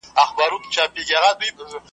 فیصله وکړه خالق د کایناتو .